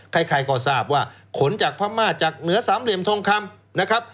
ใครก็ทราบว่าขนจากพระมาจจากเหนือสามเหลี่ยมทรงคำ